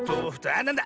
あっなんだ！